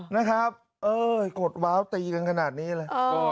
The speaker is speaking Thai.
นะครับเอ้ยกดว้าวตีกันขนาดนี้เลย